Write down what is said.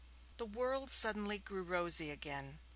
The world suddenly grew rosy again.